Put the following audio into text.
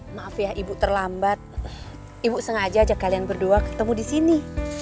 maaf ya ibu terlambat ibu sengaja ajak kalian berdua ketemu di sini